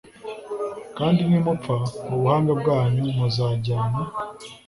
kandi nimupfa, ubuhanga bwanyu muzajyana